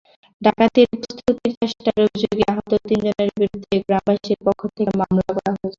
ডাকাতির প্রস্তুতির চেষ্টার অভিযোগে আহত তিনজনের বিরুদ্ধে গ্রামবাসীর পক্ষ থেকে মামলা করা হয়েছে।